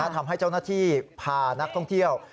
ทำให้เจ้าหน้าที่พานักท่องเที่ยว